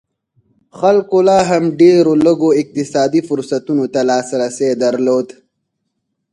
خلکو لا هم ډېرو لږو اقتصادي فرصتونو ته لاسرسی درلود.